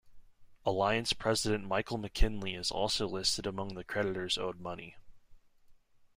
Alliance president Michael McKinley is also listed among the creditors owed money.